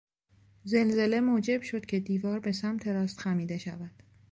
زلزله موجب شد که دیوار به سمت راست خمیده شود.